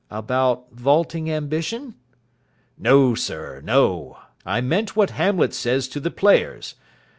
"About vaulting ambition?" "No, sir, no. I meant what Hamlet says to the players.